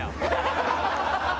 ハハハハ！